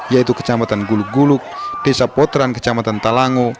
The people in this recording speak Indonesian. yaitu kecamatan gulug gulug desa potran kecamatan talango